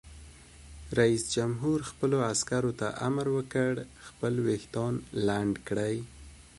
رئیس جمهور خپلو عسکرو ته امر وکړ؛ خپل ویښتان لنډ کړئ!